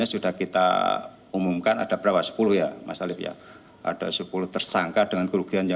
jadi kita harus mempromosikan kemudian melakukan quarantek di l generous